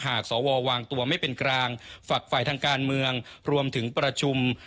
สววางตัวไม่เป็นกลางฝักฝ่ายทางการเมืองรวมถึงประชุม